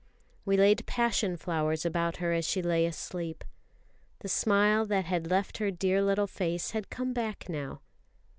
We laid passion flowers about her as she lay asleep. The smile that had left her little face had come back now.